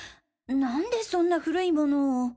なんでそんな古いものを。